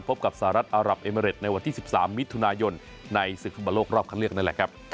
พบกับสหรัฐอารับเอเมริดในวันที่๑๓มิถุนายนในศึกฟุตบอลโลกรอบคันเลือกนั่นแหละครับ